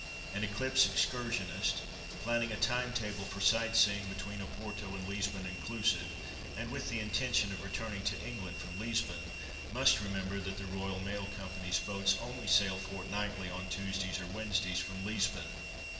An Eclipse excursionist planning a time table for sight seeing between Oporto and Lisbon inclusive, and with the intention of returning to England from Lisbon, must remember that the Royal Mail Company's boats only sail fortnightly (on Tuesdays or Wednesdays) from Lisbon.